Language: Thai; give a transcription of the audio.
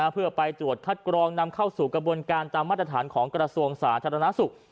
เพื่อไปตรวจคัดกรองนำเข้าสู่กระบวนการตามมาตรฐานของกระทรวงสาธารณสุข